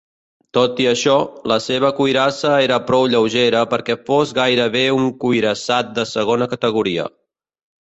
Tot i això, la seva cuirassa era prou lleugera perquè fos gairebé un cuirassat de segona categoria.